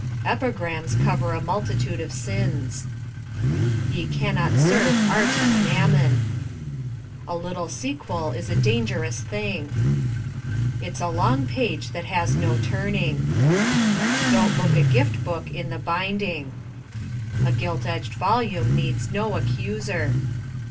Epigrams cover a multitude of sins. Ye can not serve Art and Mammon. A little sequel is a dangerous thing. It's a long page that has no turning. Don't look a gift book in the binding. A gilt edged volume needs no accuser.